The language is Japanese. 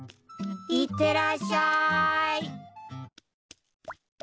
いってらっしゃい。